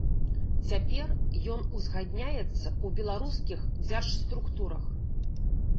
Цяпер ён узгадняецца ў беларускіх дзяржструктурах.